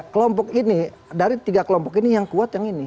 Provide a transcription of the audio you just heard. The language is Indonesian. kelompok ini dari tiga kelompok ini yang kuat yang ini